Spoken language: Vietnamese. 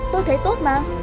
tôi thấy tốt mà